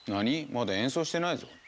まだ演奏してないぞ。